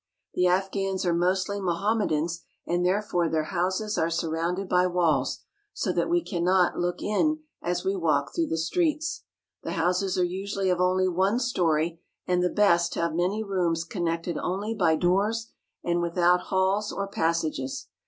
, The Afghans are mostly Mohammedans, and therefore their houses are surrounded by walls, so that we cannot look in as AFGHANISTAN 319 we walk through the streets. The houses are usually of only one story, and the best have many rooms connected only by doors and without halls or passages.